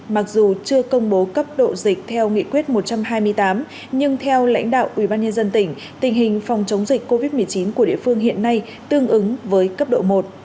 mặc dù chưa công bố cấp độ dịch theo nghị quyết một trăm hai mươi tám nhưng theo lãnh đạo ubnd tỉnh tình hình phòng chống dịch covid một mươi chín của địa phương hiện nay tương ứng với cấp độ một